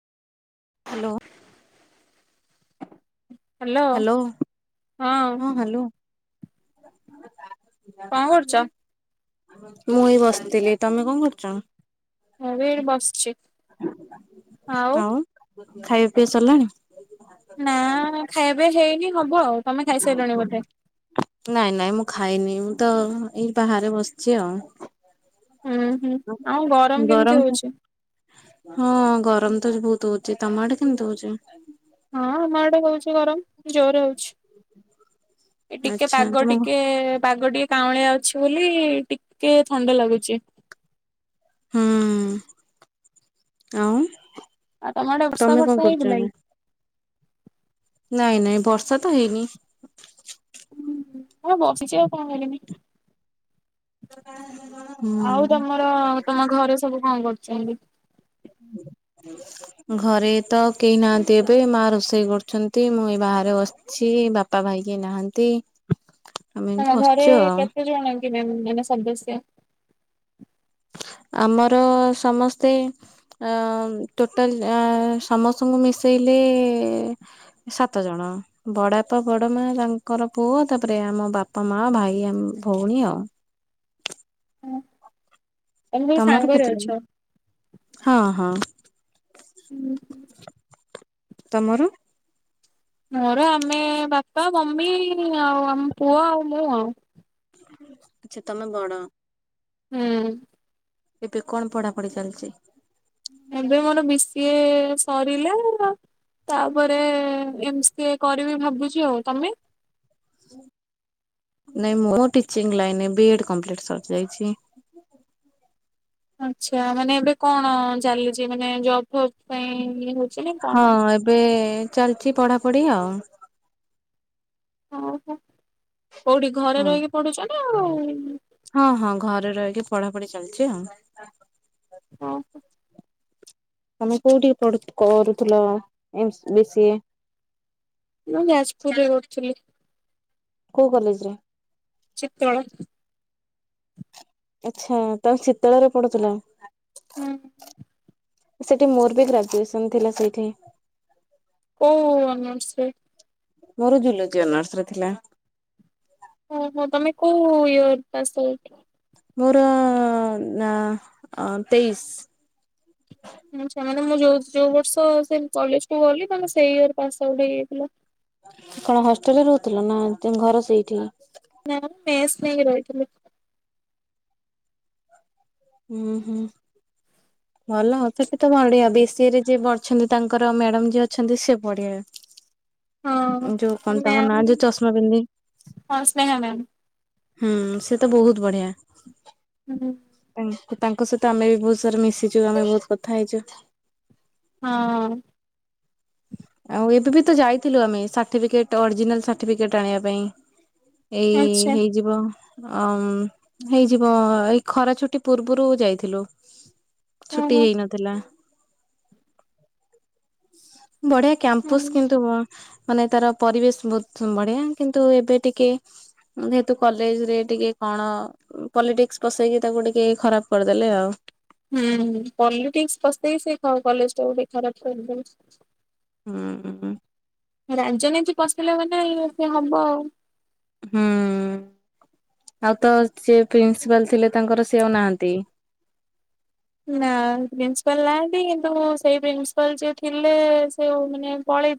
Hello. Hello. ହଁ hello. [inaudible] କଣ କରୁଛ? [unintelligible] ମୁଁ ହେଇ ବସିଥିଲି ତମେ କଣ କରୁଛ? ମୁଁ ବି ଏଇଠି ବସଛି। ଆଉ। ଖାଇବା ପିଇବା ସରିଲାଣି? ନା ଖାଇବା ପିଇବା ହେଇନି ହବ ଆଉ ତମେ ଖାଇସାରିଲଣି ବୋଧେ। ନାଇଁ ନାଇଁ ମୁଁ ଖାଇନି ମୁଁ ତ ଏଇ ବାହାରେ ବସିଛି ଆଉ। ହୁଁ ହୁଁ ଆଉ ଗରମ କେମିତି ହଉଛି? ହଁ ଗରମ ତ ବହୁତ ହଉଛି ତମ ଆଡେ କେମିତି ହଉଛି? ହେଉଚି ଗରମ ଜୋରରେ ହଉଚି। ଏ ଟିକେ ଆଚ୍ଛା ପାଗ ତମ ହୁଁ ଟିକେ ପାଗ ଟିକେ କାଉଁଳିଆ ଅଛି ବୋଲି ଟିକେ ଥଣ୍ଡା ଲାଗୁଚି। ଆଉ। ଆଉ ତମ ଆଡେ ବର୍ଷା ତମେ କଣ ଫର୍ଷା କରୁଛ ହେଇଥିଲା ଏବେ? କି? ନାଇଁ ନାଇଁ ବର୍ଷା ତ ହେଇନି। ମୁଁ ବସିଚି ଆଉ କଣ କରିବି? ହୁଁ। ଆଉ ତମର ତମ ଘରେ ସବୁ କଣ କରୁ ଚାଲୁ। ଘରେ ତ କେହି ନାହାନ୍ତି ଏବେ। ମା ରୋଷେଇ କରୁଛନ୍ତି, ମୁଁ ଏ ବାହାରେ ବସିଚି, ବାପା ଭାଇ କେହି ନାହାନ୍ତି। ଆମେ ଏମିତି ତମ ଘରେ ବସିଛୁ ଆଉ। କେତେ ଜଣ କି ମେମ୍ ମାନେ ସଦସ୍ୟ? [inaudible] ଆମର ସମସ୍ତେ ଅ ଟୋଟାଲ ଅ ସମସ୍ତଙ୍କୁ ମିଶେଇଲେ ସାତ ଜଣ। ବଡାପା ବଡ ମା ତାଙ୍କର ପୁଅ ତାପରେ ଆମ ବାପା ମା ଭାଇ ଆ ଭଉଣୀ ଆଉ। ତମେ ସବୁ ତମର ସାଙ୍ଗରେ କେତେ ଜଣ ହଁ ହଁ।। ହୁଁ ହୁଁ। ତମର? ମୋର ଆମେ ବାପା, ମମି ଆଉ ଆମ ପୁଅ ଆଉ ମୁଁ ଆଉ। ଆଛା ତମେ ବଡ। ହୁଁ। ଏବେ କଣ ପଢାପଢି ଚାଲିଚି? ଏବେ ମୋର ବି ସି ଏ ସରିଲା। ତାପରେ ଏମ ସି ଏ କରିବି ଭାବୁଚି। ଆଉ ତମେ? ନାଇଁ ମୋର teaching line B Ed complete ସରିଯାଇଚି। ଆଛା ମାନେ ଏବେ କଣ ଚାଲିଚି, ମାନେ ଜବ ଫବ ପାଇଁ ଇଏ ନା କଣ? ହଁ ଏବେ ଚାଲି ଅଛି ପଢାପଢି ଆଉ। ଓ ହୋ। କୋଉଠି ଘରେ ହଁ ରହିକି ପଢୁଚ ନା? ଆଉ? ହଁ ହଁ ଘରେ ରହିକି ପଢାପଢି ଚାଲିଚି ଆଉ। ଓ ହୋ। ତମେ କୋଉଠି ପଢୁ କରୁଥିଲ ଏମସ୍ ବି ସି ଏ। ମୁଁ ଯାଜପୁରରେ କରୁଥିଲି। କୋଉ କଲେଜରେ? ଚିତୋଳ। ଆଚ୍ଛା, ତମେ ଚିତଳରେ ପଡୁଥିଲ? ହୁଁ। ସେଠି ମୋର ବି ଗ୍ରାଜୁଏସନ ଥିଲା ସେଇଠି। କୋଉ ଅନର୍ଷ ରେ? ମୋର ଜୁଲୋଜି ଅନର୍ସରେ ଥିଲା। ହ ହଁ ତମେ କୋଉ ଇଅର ପାସ୍ ଆଉଟ୍? ମୋର ନା ଆ ତେଇଶ। ଆଛା ମାନେ ମୁଁ ଯୋଉ ଯୋଉ ବର୍ଷ ସେ କଲେଜ କୁ ଗଲି, ତମେ ସେଇ ଇୟର ପାସ ଆଉଟ ହେଇଯାଇଥିଲ। କଣ ହଷ୍ଟେଲ ରେ ରହୁଥିଲ, ନା ଘର ସେଇଠି? ହଷ୍ଟେଲରେ ରହୁଥିଲି। ହୁଁ ହୁଁ ଭଲ ଆଉ ସେଠି ତ ବଢିଆ ବି ସି ଏ ରେ ଯିଏ ବଢିଛନ୍ତି ତାଙ୍କର ମ୍ୟାଡାମ ଯିଏ ଅଛନ୍ତି, ସେ ବଢିଆ। ହଁ। ଯୋଉ ତାଙ୍କ ନା ମ୍ୟାମ୍ ଯୋଉ ଚଷମା ପିନ୍ଧି ହଁ ସ୍ନେହା ମ୍ୟାମ୍ ହୁଁ ସେ ତ ବହୁତ ବଢିଆ। ହୁଁ। ତାଙ୍କ ସହିତ ଆମେ ବି ବହୁତ ସାରା ମିଶିଛୁ, ଆମେ ବହୁତ କଥା ହେଇଛୁ। ହଁ। ଆଉ ଏବେ ବି ତ ଯାଇଥିଲୁ ଆମେ ସାଟିଫିକେଟ ଅରିଜିନାଲ ସାର୍ଟିଫେଟ ଆଣିବା ପାଇଁ। ଏଇ ଆଚ୍ଛା ହେଇଯିବ ଅ ହେଇଯିବ ଏଇ ଖରା ଛୁଟି ପୂର୍ବରୁ ଯାଇଥିଲୁ। ଛୁଟି ଓହୋ। ହେଇନଥିଲା। ବଢିଆ ହୁଁ କ୍ୟାମ୍ପସ କିନ୍ତୁ ମାନେ ତାର ପରିବେଶ ବହୁତ ବଢିଆ କିନ୍ତୁ ଏବେ ଟିକେ ଯେହେତୁ କଲେଜ ରେ ଟିକେ କଣ ପଲିଟିକସ ପସେଇକି, ତାକୁ ଟିକେ ଖରାପ କରିଦେଲେ ଆଉ। ହୁଁ ପଲିଟିକ୍ସ ପସେଇକି ସେ କଲେଜ ଟାକୁ ଖରାପ କରିଦେଲେ। ହୁଁ ହୁଁ ହୁଁ। ରାଜନିତୀ ପଶିଲା ମାନେ ସେ ହବ ଆଉ। ହୁଁ ଆଉ ତ ସେ ପ୍ରିନ୍ସିପାଲ ଥିଲେ ତାଙ୍କର ସେ ଆଉ ନାହାନ୍ତି। ନା ପ୍ରିନ୍ସିପାଲ ନାହାନ୍ତି କିନ୍ତୁ ସେଇ ପ୍ରିନ୍ସିପାଲ ଯିଏ ଥିଲେ ସେ ମାନେ ପଳେଇ